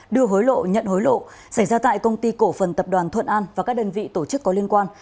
đưa hối lộ nhận hối lộ xảy ra tại công ty cổ phần tập đoàn thuận an và các đơn vị tổ chức có liên quan